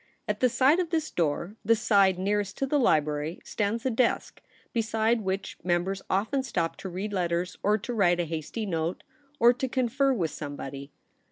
At the side of this door, the side nearest to the library, stands a desk, beside which members often stop to read letters or to write a hasty note, or to confer with some body.